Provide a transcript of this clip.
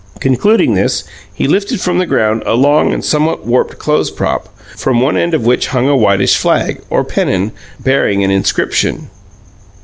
Concluding this, he lifted from the ground a long and somewhat warped clothes prop, from one end of which hung a whitish flag, or pennon, bearing an inscription.